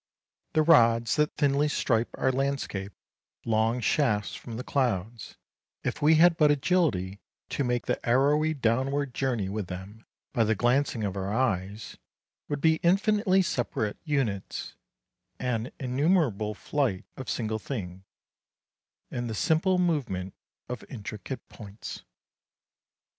The rods that thinly stripe our landscape, long shafts from the clouds, if we had but agility to make the arrowy downward journey with them by the glancing of our eyes, would be infinitely separate, units, an innumerable flight of single things, and the simple movement of intricate points.